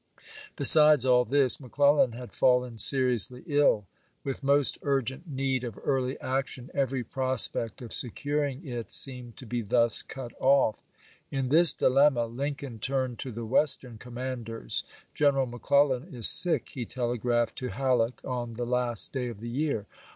Besides all this, McClel lan had fallen seriously ill. With most urgent need of early action, every prospect of securing it seemed to be thus cut off. In this dilemma, Lin Lincoln ' andBue? ^'^^^ tui'ned to the Western commanders. "Gren lan^^'w!!!. ^I'^^l McClellan is sick," he telegi'aphed to Halleck ^p.'s^"" on the last day of the year.